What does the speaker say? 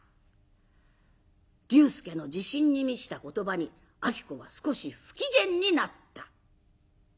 龍介の自信に満ちた言葉に子は少し不機嫌になった。